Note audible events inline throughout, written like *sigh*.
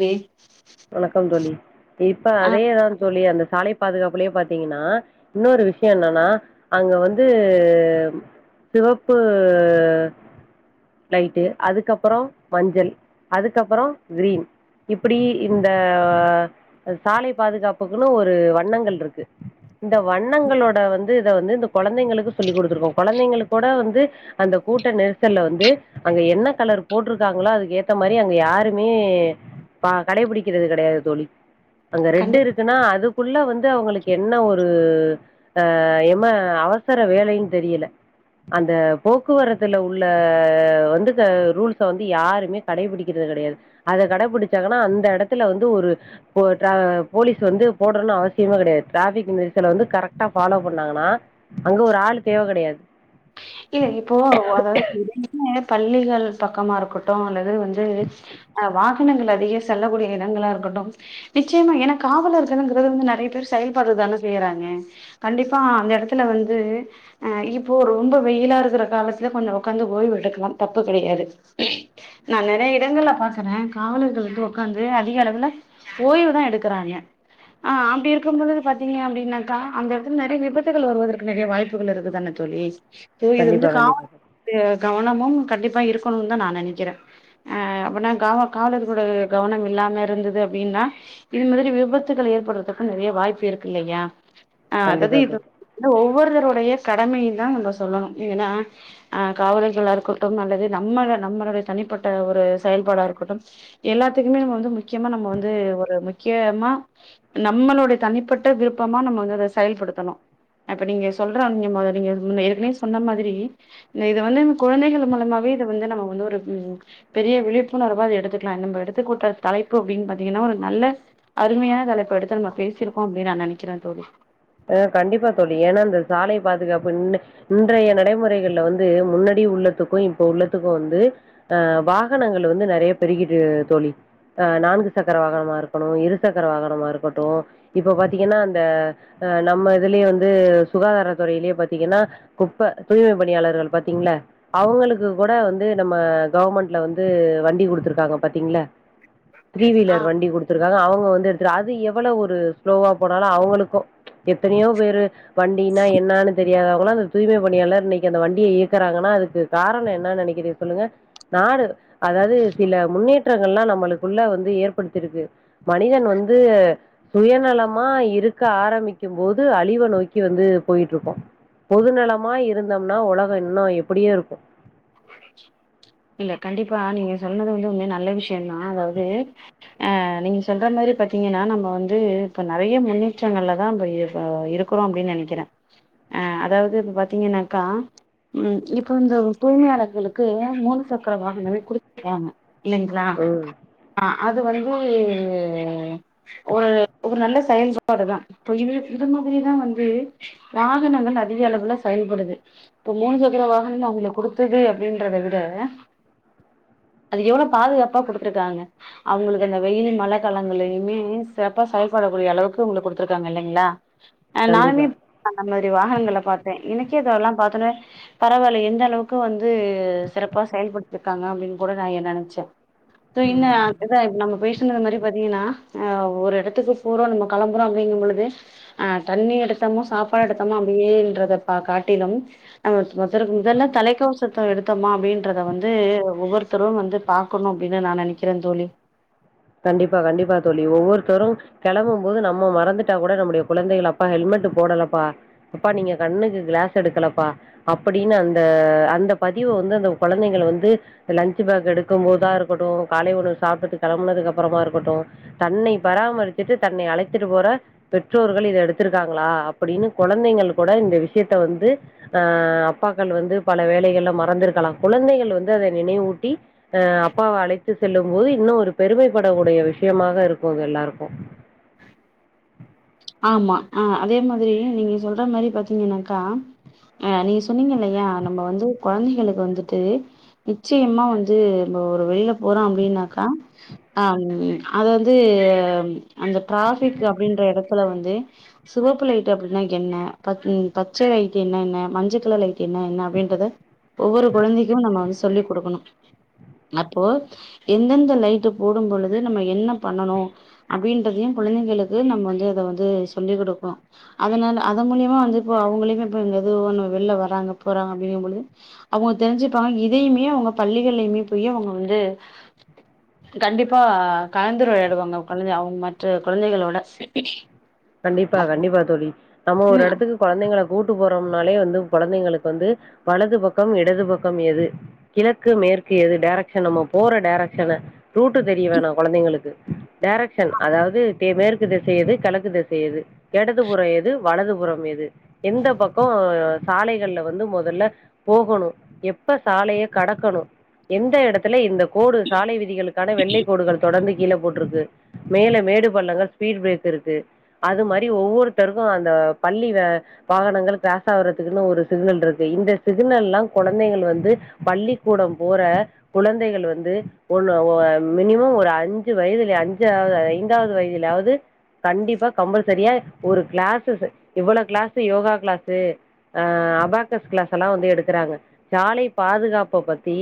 வே வணக்கம் தோழி இப்ப அதேதா தோழி அந்த சாலைப் பாதுகாப்புலேயே பாத்தீங்கன்னா இன்னொரு விஷயோ என்னன்னா அங்க வந்து சிவப்பு லைட்டு அதுக்கப்புறோ மஞ்சள் அதுக்கப்புறோ கிரீன் இப்டீ இந்த சாலை பாதுகாப்புக்குன்னு ஒரு வண்ணங்கள் இருக்கு இந்த வண்ணங்களோட வந்து இத வந்து இந்த கொழந்தைங்களுக்கு சொல்லி் குடுத்துருக்கோ கொழந்தைங்க கூட வந்து அந்த கூட்ட நெரிசல்ல வந்து அங்கே என்ன கலர் போட்டிருக்காங்களோ அதுக்கு ஏத்த மாதிரி அங்கே யாருமே பா கடைபிடிக்கிறது கெடயாது தோழி அங்க கண் ரெட்டு இருக்குன்னா அது ள்ள வந்து அவங்களுக்கு என்ன ஒரு ஆஹ் எம அவசர வேலைன்னு தெரியல அந்த போக்குவரத்துல உள்ள வந்து ரூல்ஸ வந்து யாருமே கடைபிடிக்கிறது கெடயாது அத கடைபிடிச்சாங்கன்னா அந் ந்த எடத்துல வந்து ஒரு - ஒரு ட்ரா போலீஸ் வந்து போடனுன்னு அவசியமே கெடயாது ட்ராஃபிக் நெரிசல வந்து கரெக்ட்டா ஃபாலோ பண்ணாங்கன்னா அங்க ஒரு ஆள் தேவ கெடயாது எ இப்போ அதாவது *unintelligible* பள்ளிகள் பக்கமா இருக்கட்டு அந்த து வந்து அ வா தினங்கள் அதிக செல்லக்கூடிய இடங்களா இருக்கட்டு நிச்சியமா எனா காவலர்களுங்கிறது வந்து நெறைய பேரு செயல்பட்றத் தான செய்யறாங்க கண்டிப்பா அந்த எடத்துல வந்து அ இப்போ ரொம்ப வெய்யிலா இருக்கற காலத்துல கொஞ்சோ ஒக்காந்து ஓய்வு எடுக்கலாம் தப்பு கெடையாது நா நெறைய இடங்கள்ல பாக்குறே காவலர்கள் வந்து உக்காந்து அதிக அளவுல ஓய்வு தா எடுக்கறாங்க ஆ அப்டி இருக்கும்பொழுது பாத்தீங்க அப்டின்னாக்கா அந்த எடத்துல நெறைய விபத்துகள் வருவதற்கு நெறைய வாய்ப்புகள் இருக்கு தான தோழி த்து இது வந்து கண்டிப்பா *inaudible* கண்டிப்பா கவனமும் கண்டிப்பா இருக்கணுன் தா நா நெனைக்கிறே ஆ அப்பன்னா காவ காவலர்களோட கவனம் இல்லாம இருந்தது அப்டின்னா இது மாதிரி விபத்துக்கள் ஏற்பட்றதுக்கூ நெறைய வாய்ப்பு இருக்கு இல்லையா ஆ அதது கண்டிப்பா தோழி *inaudible* ஒவ்வொருதருடைய கடமையுந் தா நம்ப ஸ் சொல்லணும் ஏனா அ காவலர்களா இருக்கட்டும் அல்லது நம்மல நம்மளுடய தனிப்பட்ட ஒரு செயல்பாடா இருக்கட்டும் எல்லாத்துக்குமே வந்து முக்கியமா நம்ம வந்து ஒரு முக்கியமா நம்மளுடைய தனிப்பட்ட விருப்பமா நம்ம வந்து அத செயல்படுத்தணு அப்ப நீங்க சொல்ற *unintelligible* ஏற்கென சொன்ன மாதிரி இந்த இத வந்து குழந்தைகள் மூலமாவே இத வந்து நம்ம வந்து ஒரு ம் பெரிய விழிப்புணர்வா இத எடுத்துக்லா நம்ப எடுத்து கூட்ட தலைப்பு அப்டின் பாத்திங்கனா ஒரு நல்ல அருமையான தலைப்பு எடுத்து நம்ம பேசிருக்கோ அப்டி நா நெனைக்கிறே தோழி அ கண்டிப்பா தோழி ஏனா இந்த சாலை பாதுகாப்பு இன் இன்றைய நடைமுறைகள்ல வந்து முன்னாடி உள்ளத்துக்கு இப்ப உள்ளத்துக்கு வந்து அ வாகனங்கள் வந்து நெறைய பெருகிட்டு தோழி அ நான்கு சக்கர வாகனமா இருக்கணு இரு சக்கர வாகனமா இருக்கட்டு இப்ப பாத்தீங்கன்னா அந்த அஹ் நம்ம இதுலியே வந்து சுகாதாரத்துறையிலியே பாத்தீங்கன்னா குப்ப தூய்மை பணியாளர்கள் பாத்தீங்ள அவுங்களுக்கு கூட வந்து நம்ம கவர்மெண்ட்ல வந்து வண்டி குடுத்துருக்காங்க பாத்தீங்கள்ல த்ரீ ஆ வீலர் வண்டி குடுத்துருக்காங்க அவு இப்ப வந்து ட்றா அது எவ்ள ஒரு ஸ்லோவா போனாலு அவுங்களுக்கூ எத்தனையோ பேரு வண்டினா என்னானு தெரியாதவங்கள்லா அந்த தூய்மை பணியாளர் இன்னிக்கு அந்த வண்டிய இயக்குறாங்கன்னா அதுக்கு காரணோ என்னா நெனைக்கிறீர் சொல்லுங்க நாடு அதாவது சில முன்னேற்றங்கள்லா நம்மளுக்குள்ள வந்து ஏற்படுத்திருக்கு மனிதன் வந்து சுயநலமா இருக்க ஆரம்பி க்கிம்போது அழிவ நோக்கி வந்து போயிட்ருக்கோ பொது நலமா இருந்தம்னா உலகொ இன்னு எப்பிடியு இருக்கு இல்ல கண்டிப்பா நீங்க சொன்னது வந்து ஒமே நல்ல விஷ்யந்தா அதாவது அஹ் நீங்க சொல்ற மாரி பாத்தீங்கன்னா நம்ம வந்து இப்ப நறைய முன்னேற்றங்கள்லதா இப்ப இர் இருக்கறோ அப்டின் நெனைக்கிறே அ அதாவ்து இப்ப பாத்தீங்கன்னாக்கா உம் இப்ப இந்த தூய்மையாளர்களுக்கு மூணு சக்கர வாகனமே குடு *inaudible* இல்லைங்ளா ம் அ அது வந் ஒரு ஒரு ஒரு நல்ல செயல்பாடு தா இப்ப இது இது மாதிரிதா வந்து வாகனங்கள் அதிக அளவுல செயல்படுது இப்ப மூணு சக்கர வாகனமே அவுங்களுக் குடுத் த்தது அப்படின்றத விட அது எவ்ளோ பாதுகாப்பா குடுத்துருக்காங்க அவுங்களுக்கு அந்த வெயில் மழ காலங்களையுமே சிறப்பா செயல்படக்கூடிய அளவுக்கு அவுங்களுக் குடுத்துருக்காங்க இல்லைங்ளா அ கண்டிப்பா நானுமேப் அந்த மாரி வாகனங்கள பாத்தே எனக்கே அதவு எல்லா பாத்தொனே பரவால்ல எந்த அளவுக் ப்ப வந்து சிறப்பா செயல்படுத்திருக்காங்க அப்டின் கூட நா எ நெனைச்சே து இன்னு அததா இப்ப நம்ம பேச சின்னது மாரி பாத்தீங்கன்னா அ ஒரு எடத்துக்கு போறோ நம்ம களம்பறோ அப்டிங்கும் பொழுது அ தண்ணி எடுத்தமோ சாப்பாடெத்தமா அப்டியேன்றத ப காட்டிலும் *unintelligible* முதல்ல தலைக் த்தோசத்த எடுத்தமா அப்டின்றத வந்து ஒவ்வொருத்தரு வந்து பாக்கணு அப்டினு நா நெனைக்கிறந் தோழி கண்டிப்பா கண்டிப்பா தோழி ஒவ்வொருத்தரு கெளம்பும் போது நம்ம மறந்துட்டா கூட நம்முடைய குழந்தைகள் அப்பா ஹெல்மெட்டு போடலப்பா அப்பா நீங்க கண்ணுக்கு கிளாஸ் எடுக்கலப்பா அப்படினு அந்த அந்த பதிவ வந்து அந்த குழந்தைங்கள வந்து லன்ச் பேக் எடுக்கும் போதா இருக்கட்டு காலை உணவு சாப்பிட்டு கெளம்பனதுக்கு அப் ப்பறமா இருக்கட்டு தன்னை பராமரிச்சுட்டு தன்னை அழைத்துட்டு போற பெற்றோர்கள் இத எடுத்திருக்காங்களா அப்படின்னு கொழந்தைகள் கூட இந்த விஷ்யத்த வந்து ஆ அப்பாக்கள் வந்து பல வேலைகள்ல மறந்துருக்கலா குழந்தைகள் வந்து அத நினைவூட்டி அ அப்பாவ அழைத்து செல்லும் போது இன்னு ஒரு பெருமை படக்கூடிய விஷயமாக இருக்கு அது எல்லாருக்கு ஆமா அ அதே மாதிரி நீங்க சொல்ற மாதிரி பாத்தீங்கன்னாக்கா அ நீங்க சொன்னீங்க இல்லையா நம்ம வந்து கொழந்தைகளுக்கு வந்துட்டு நிச்சயமா வந்து ம்ப ஒரு வெளியில போறோ அப்டின்னாக்கா அம் அது வந்து அந்த டிராஃபிக் அப்டின்ற எடத் தல வந்து சிவப்பு லைட்டு அப்டின்னா என்ன பச் பச்சை லைட்டு என்னென்ன மஞ்ச கலர் லைட் என்ன என்ன அப்டின்றத ஒவ்வொரு குழந்தைக்கு நம்ம வந்து சொல்லிக் குடுக்கணு அப்போ எந்தெந்த லைட்டு போடும் பொழுது நம்ம என்ன பண்ணனு அப்டின்றதையு குழந்தைங்களுக்கு நம் வந்து இத வந்து சொல்லிக் குடுக்குனு அதனால அத மூலியமா வந்து இப்போ அவுங்களையுமே இப்ப எங்க எதோ ஒன்னு வெள்ல வர்றாங்க போறாங்க அப்டிங்கம்பொழுது அவுங்க தெரிஞ்சுப்பாங்க இதையுமே அவுங்க பள்ளிகள்லயுமே போயி அவுங்க வந்து *inaudible* கண்டிப்பா கலந்துர வெளையாடுவாங்க குழந்த அவுங்க மற்ற குழந்தைகளோட கண்டிப்பா கண்டிப்பா தோழி நம்ம ஒரு ம் எடத்துக்கு கொழந்தைங்கல கூட்டு போறம்னாலே வந்து கொழந்தைங்களுக்கு வந்து வலது பக்கம் இடது பக்கம் எது கிழக்கு மேற்கு எது டேரக்ஷன் நம்ம போற டேரக்ஷன் ரூட்டு தெரிய வேணா கொழந்தைங்களுக்கு டேரக்ஷன் அதாவது டே மேற்கு திசை எது கெழக்கு தி சை எது எடது புறோ எது வலது புறம் எது எந்த பக்கோ சாலைகள்ல வந்து மொதல்ல போகணு எப்ப சாலைய கடக்கணு எந்த எடத்துல இந்த கோடு சாலை விதிகளுக்கான வெள்ளை கோடுகள் தொடர்ந்து கீழ போட்ருக்கு மேல மேடு பள்ளங்கள் ஸ்பீட் பிரேக் இருக்கு அது மாரி ஒவ்வொருத்தருக்கு அந்த பள்ளி வே வாகனங்கள் கிராஸ் ஆவறதுக்குனு ஒரு சிக்னல் இருக்கு இந்த சிக்னல்லா கொழந்தைங்கள் வந்து பள்ளிக்கூடம் போற குழந்தைகள் வந்து ஒன்னு ஒ மினிமம் ஒரு அஞ்சு வயதுல அஞ்சாவது ஐந்தாவது வயதுலயாவது கண்டிப்பா கம்பல்சரியா ஒரு கிளாசஸ் இவ்வளோ class yoga class abacus class எல்லா வந்து எடுக்கறாங்க சாலை பாதுகாப்ப பத்தி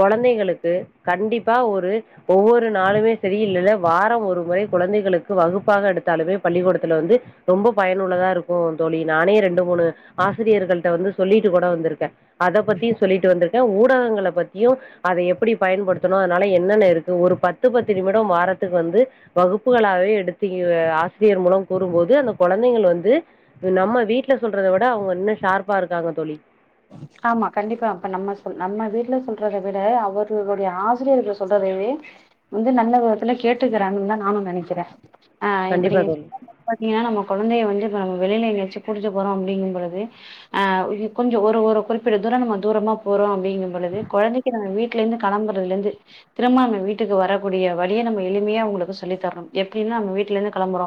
கொழந்தைகளுக்கு கண்டிப்பா ஒரு ஒவ்வொரு நாளுமே செரியில்ல வாரம் ஒரு முறை குழந்தைகளுக்கு வகுப்பாக எடுத்தாலுமே பள்ளிக்கூடத்துல வந்து ரொம்ப பயனுள்ளதா இருக்கு தோழி நானே ரெண்டு மூணு ஆசிரியர்கள்ட்ட வந்து சொல்லிட்டு கூட வந்திருக்கே அத பத்தியு சொல்லிட்டு வந்திருக்கே ஊடகங்கள பத்தியு அத எப்பிடி பயன்படுத்தணு அதனால என்னென்ன இருக்கு ஒரு பத்து பத்து நிமிடம் வாரத்துக்கு வந்து வகுப்புகளாவே எடுத்து *unintelligible* கொரியர் மூலம் கூறும்போது அந்த கெழந்தைங்கள வந்து நம்ம வீட்ல சொல்றத விட அவங்க இன்னு ஷார்ப்பா இருக்காங்க தோழி ஆமா கண்டிப்பா அப்ப நம்ம சொ நம்ம வீட்ல சொல்றத விட அவருகளுடய ஆசிரியர்கள் சொல்றதவே வந்து நல்ல விதத்துல கேட்டுக்கிறாங்குதா நானு நெனைக்கிற ஆ இப்டி கண்டிப்பா தோழி பாத்தீங்கன்னா நம்ம கெழந்தைய வந்து நம்ம வெளியில எங்காச்சு கூட்டிட்டு போறோம் அப்டிங்கும்பொழுது கொஞ்சம் ஒரு ஒரு குறிப்பிட்ட தூரம் நம்ம தூரமா போறோ அப்டிங்கும் பொழுது கெழந்திக்கு நம் வீட்ல இருந்து கிம்புறதுலே இருந்து திரும்ப நம்ம வீட்டுக்கு வரக்கூடிய வழியை நம்ம எளிமையா உங்களுக்கு சொல்லி தரணு எப்டின்னா நம்ம வீட்ல இருந்து கிளம்புறோ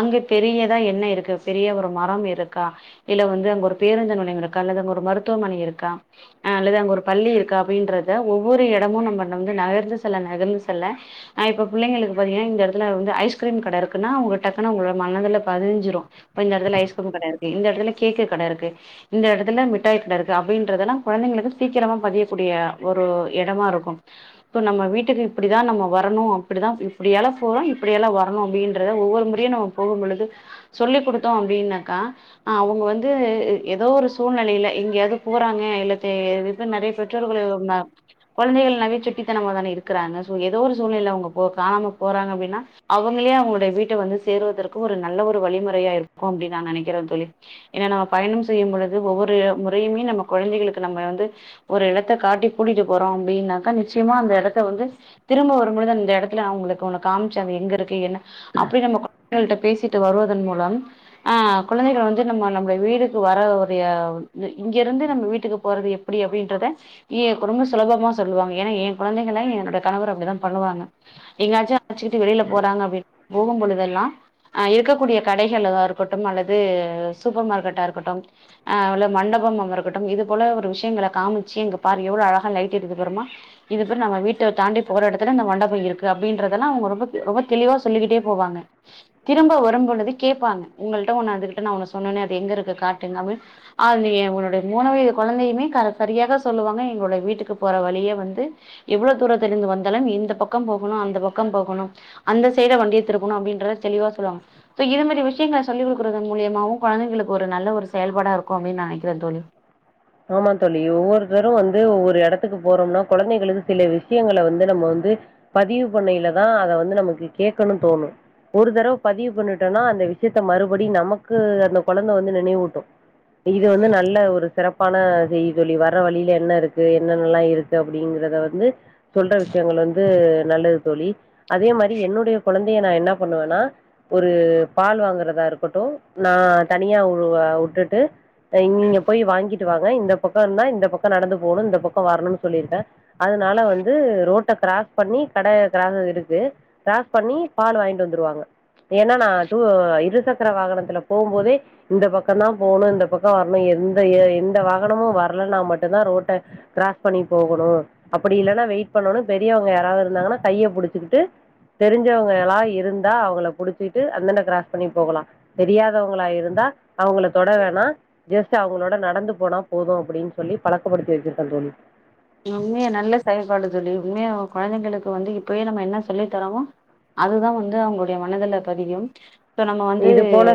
அங்கு பெரியதா என்ன இருக்கு பெரிய ஒரு மரம் இருக்கா இல்ல வந்து அங்க ஒரு பேருந்து நிலைய ஒரு மருத்துவமனை இருக்கா அல்லது அங்க ஒரு பள்ளி இருக்கா அப்படின்றத ஒவ்வொரு இடமும் நம்ம வந்து நகர்ந்து செல்ல நகந்து செல்லஹ்ப்ப இப்போ பிள்ளைங்களுக்கு பாத்தீங்கன்னா இந்த இடத்துல வந்து ஐஸ்கிரீம் கட இருக்குன்னா டக்குனு மனதுல பதிஞ்சிரோ இந்த இடத்துல ஐஸ்கிரீம் கட இருக்கு இந்த இடத்துல கேக்கு கட இருக்கு இந்த இடத்துல மிட்டாய் கட இருக்கு அப்படின்றதெல்லாம் குழந்தைங்களுக்கு சீக்கிரமா பதியக்கூடிய ஒரு இடமா இருக்கும் இப்போ நம்ம வீட்டுக்கு இப்படிதான் நம்ம வரணும் அப்படிதான் இப்படியல்லாம் போறோம் இப்படியெல்லாம் வரணும் அப்படின்றத ஒவ்வொரு முறையும் நம்ம போகும் பொழுது சொல்லிக் கொடுத்தோம் அப்படின்னாக்கா அவங்க வந்து ஏதோ ஒரு சூழ்நிலையில இங்கேயாவது போறாங்க இல்ல நிறைய பெற்றோர்கள் குழந்தைகள் நாவே சுட்டித்தனமாவே தானே இருக்கிறாங்க சோ ஏதோ ஒரு சூழ்நிலையில அவங்க போ காணாம போறாங்க அப்படின்னா அவங்களே அவங்களுடைய வீட்ட வந்து சேர்வதற்கு ஒரு நல்ல ஒரு வழிமுறையா இருக்கும் அப்படின்னு நாங்க நினைக்கிறோன் தோலி ஏன்னா நம்ம பயணம் செய்யும் பொழுது ஒவ்வொரு முறையுமே நம்ம குழந்தைகளுக்கு நம்ம வந்து ஒரு இடத்தை காட்டி கூட்டிட்டு போறோம் அப்படின்னாக்கா நிச்சயமா அந்த இடத்த வந்து திரும்ப வரும் பொழுது அந்த இடத்துல அவங்களுக்கு காமிச்ச அ எங்க இருக்கு என்ன அப்படி நம்ம குழந்தை பேசிட்டு வருவதன் மூலம் ஆஹ் குழந்தைகள் வந்து நம்ம நம்டைய வீடு வர இங்க இருந்து நம்ம வீட்டுக்கு போறது எப்டி அப்டின்றத ரொம்ப சுலபமா சொல்லுவாங்க ஏன்னா என் கெழந்தைங்கள என்னுடைய கணவர் அப்படிதா பண்ணுவாங்க எங்காச்சும் அழச்சுகிட்டு வெளியில போறாங்க அ போகும் பொழுதுதல்லாம் ஹ இருக்கக்கூடிய கடைகள் இருக்கட்டும் அது சூப்பர் மார்க்கெட்டா இருக்கும் மண்டபம் இருக்கட்டும் இது போல ஒரு விஷயங்களை காமிச்சுங்க பாரு எவ்ளோ அழகா லைட் எறியிது பாருமா இது நம்ம வீட்ட தாண்டி போற இடத்துல இந்த மண்டபம் இருக்கு அப்படி என்றது எல்லா ரொம்ப தெளிவா சொல்லிக்கிட்டே போவாங்க திரும்ப வரும்பது கேபாங்க உங்ககிட்ட ஒன்னு நா சொன்னேனே அது எங்க இருக்கு அத வந்து என்னுடைய மூனுவயது குழந்தையுமே சரியாக சொல்லுவாங்க எங்களுடைய வீட்டுக்கு போற வலிய வந்து எவ்வளவு தூரத்த இருந்து வந்தாலும் இந்த பக்கம் போகணும் அந்த பக்கம் போகணும் அந்த சைட வண்டியதிருபணும் அப்டின்ற தெளிவா சொல்லுவாங்க இதமாரி விஷயங்கள சொல்லிகடுற மூலயமாவும் குழந்தைகளுக்கு ஒரு நல்ல ஒரு செயல்பாடா இருக்கு அப்டின்னு நா நெனைக்கிறேன் தோழி ஆமா தோழி ஒவ்வொருத்தரும் வந்து ஒவ்வொரு எடத்துக்கு போறோம்னா கெழந்திகளுக்கு சில விஷயங்களை வந்து நம்ம வந்து பதிவு பண்ணியிலதா அத வந்து நமக்கு கேட்கணு தோணு ஒரு தடவ பதிவு பண்ணிட்டோம்னா அந்த விஷயத்த மறுபடி நமக்கு அந்த கெழந்த வந்து நினைவுட்டும் இது வந்து நல்ல ஒரு சிறப்பு பண செய்ய சொல்லி வர்ற வழியில என்ன இருக்கு என்னென்னல்லாம் இருக்கு அப்படிங்கறத வந்து சொல்ற விஷயங்கள் வந்து நல்லது தோழி அதே மாரி என்னுடைய கெழந்தய நா என்ன பண்ணுவேன்னா ஒரு பால் வாங்குறதா இருக்கட்டு நா தனியா வுட்டுட்டு இங்க இங்க போய் வாங்கி இந்தப் பக்கம் நா இந்த பக்கம் தா நடந்து போகணு இந்தப் பக்கம் வரணும்னு சொல்லி இருக்க அதனால வந்து ரோட்ட கிராஸ் பண்ணி கட காரணர்ல இருக்கு கிராஸ் பண்ணி பால் வாங்கிட்டு வந்துடுவாங்க ஏனா நா டு இருசக்கர வாகனத்தில போகும்போதே இந்த பக்கம் தா போணு இந்த பக்கம் வரணு எந்த வாகனமு வரலனா மட்டு தா ரோட்ட கிராஸ் பண்ணி போகணு‌ அப்டி இல்லனா வெயிட் பண்ணனு பெரியவங்க யாராவது இருந்தாங்கன்னா கைய புடிச்சுகிட்டு தெரிஞ்சவங்களா இருந்தா அவங்கள புடிச்சுகிட்டு அதாண்டா கிராஸ் பண்ணி போகலா தெரியாதவங்களா இருந்தா அவங்கள தொட வேணா ஜஸ்ட் அவங்களோட நடந்து போனா போது அப்டின்னு சொல்லி பழக்கப்படுத்தி வெச்சிருக்க தோழி உண்மையா நல்ல செயல் பாடு தோழி உண்மையா கெழந்திங்க கெழந்திகளுக்கு இப்பவே நம்ம என்ன சொல்லி தரோமோ அதுதா வந்து அவங்களுடைய மனதுல பதியும் சோ நம்ம வந்து இது போல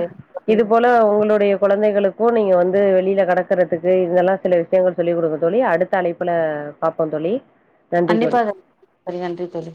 இது போல உங்களுடைய கெழந்திகளுக்கு நீங்க வந்து வெளியில கிடக்கறதுக்கு இதெல்லாம் சில விஷயங்கள் சொல்லி கொடுங்க தோழி அடுத்த அழைப்புல பாப்போம் தோழி நன்றி தோழி கண்டிப்பா செரி நன்றி தோழி